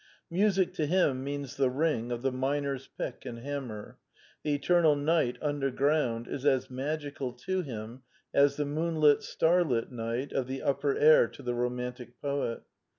Music to him means the ring of the miner's pick and hammer : the eternal night underground is as magical to him as the moonlit starlit night of the upper air to the romantic poet.